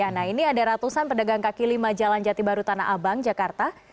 nah ini ada ratusan pedagang kaki lima jalan jati baru tanah abang jakarta